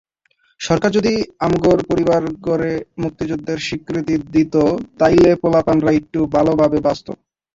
সরকার যদি আমগর পরিবারগরে মুক্তিযুদ্ধের স্বীকৃতি দিত, তাইলে পোলাপানরা এট্টু ভালোভাবে বাঁচত।